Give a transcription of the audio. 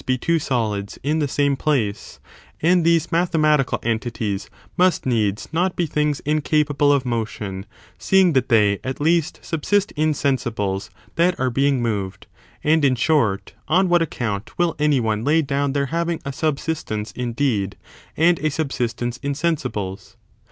be two solids in the same place ; and these mathematical entities must needs not be things incapable of motion, seeing that they, at least, subsist in sensibles that are being moved : and, in short, on what account will any one lay down their having a subsistence, indeed, and a subsistence in sensibles